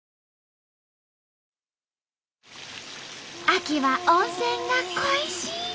秋は温泉が恋しい！